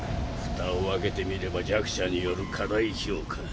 蓋を開けてみれば弱者による過大評価。